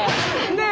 ねえ。